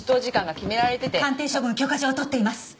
鑑定処分許可状はとっています。